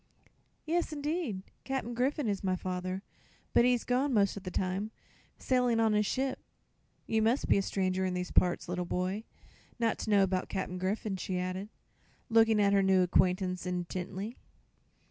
"Yes, 'ndeed; Cap'n Griffith is my father; but he's gone, most of the time, sailin' on his ship. You mus' be a stranger in these parts, little boy, not to know 'bout Cap'n Griffith," she added, looking at her new acquaintance intently.